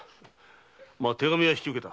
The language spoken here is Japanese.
手紙は引き受けた。